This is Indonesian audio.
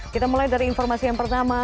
kita mulai dari informasi yang pertama